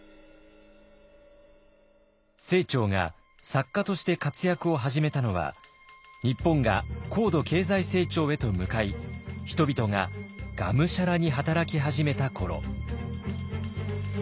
清張が作家として活躍を始めたのは日本が高度経済成長へと向かい人々ががむしゃらに働き始めた頃。